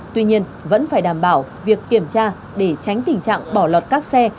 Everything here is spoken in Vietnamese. tuy nhiên vẫn phải đảm bảo việc kiểm tra để tránh tình trạng bỏ lọt các xe